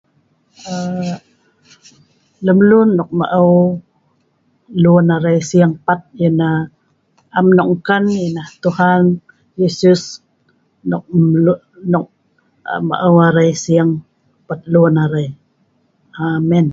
Aa lemluen nok maou luen arai sing pat ya'nah am nok nkan ya'nah Tuhan Yesus nok UNCLEAR maou arai sing pat luen arai amen